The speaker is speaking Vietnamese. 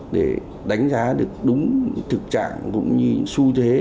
để đánh giá được đúng thực trạng cũng như xu thế